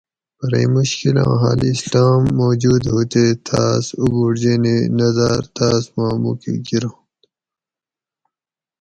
پرہ اِیں مشکلاں حل اسلام موجود ہوتے تاۤس اُبوٹ جینی نظر تاۤس ما مُوک گِراۤنت ؟